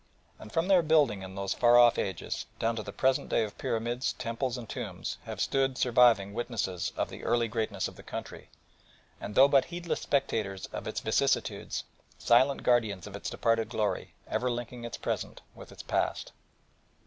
And from their building in those far off ages down to the present day the pyramids, temples, and tombs have stood surviving witnesses of the early greatness of the country, and, though but heedless spectators of its vicissitudes, silent guardians of its departed glory, ever linking its present with its past.